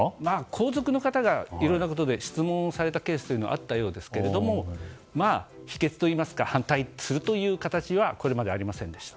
皇族の方がいろいろなことで質問されたケースがあったようですけどもまあ、否決といいますか反対するという形はこれまでありませんでした。